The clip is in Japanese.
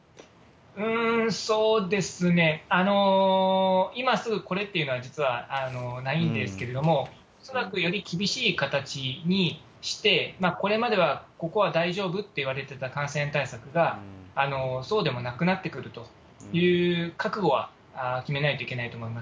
そうですね、今すぐこれっていうのは実はないんですけれども、恐らく、より厳しい形にして、これまでは、ここは大丈夫っていわれてた感染対策が、そうでもなくなってくるという覚悟は決めないといけないと思います。